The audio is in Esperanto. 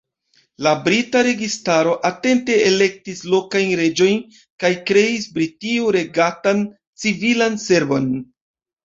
La brita registaro atente elektis lokajn reĝojn kaj kreis britio-regatan civilan servon.